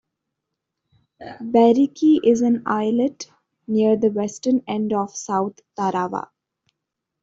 Bairiki is an islet near the Western end of South Tarawa.